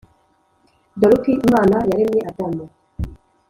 dore uko imana yaremye adamu.